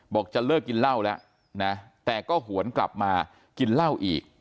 บอกจะเลิกกินเล่าแล้วแต่ก็หวนกลับมากินเล่าอีก